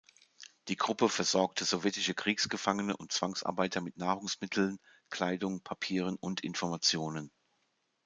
Die Gruppe versorgte sowjetische Kriegsgefangene und Zwangsarbeiter mit Nahrungsmitteln, Kleidung, Papieren und Informationen.